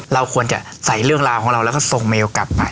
เราควรจะใส่เรื่องราวของเราแล้วก็ส่งเมลกลับไป